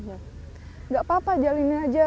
tidak apa apa jalin aja